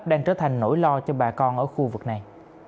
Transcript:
đang trở thành nỗi lo cho bà con ở khu vực này